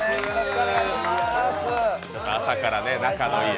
朝からね、仲のいい。